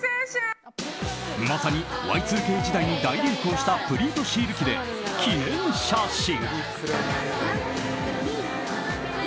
まさにＹ２Ｋ時代に大流行したプリントシール機で記念写真。